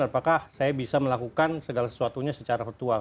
apakah saya bisa melakukan segala sesuatunya secara virtual